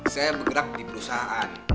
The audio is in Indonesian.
saya bergerak di perusahaan